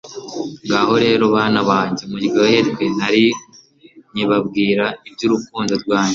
ngaho rero bana banjye muryoherwe! narinkibabwira ibyurukundo rwanjye